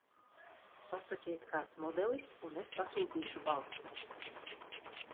Pasakiet kāds modelis un es pasūtīšu balstus.